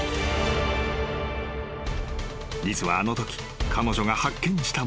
［実はあのとき彼女が発見したもの］